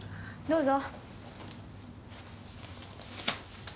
どうぞ。